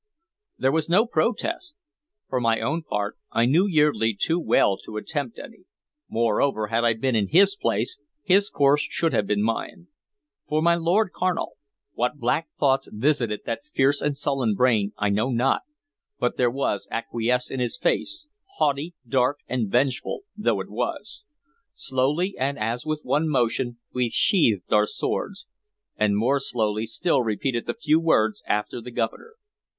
There was no protest. For my own part, I knew Yeardley too well to attempt any; moreover, had I been in his place, his course should have been mine. For my Lord Carnal, what black thoughts visited that fierce and sullen brain I know not, but there was acquiescence in his face, haughty, dark, and vengeful though it was. Slowly and as with one motion we sheathed our swords, and more slowly still repeated the few words after the Governor.